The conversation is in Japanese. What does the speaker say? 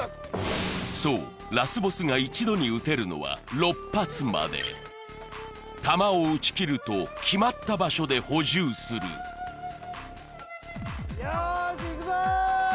そうラスボスが一度に撃てるのは６発まで弾を撃ちきると決まった場所で補充するよしいくぞ！